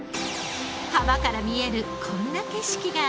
浜から見えるこんな景色がありました。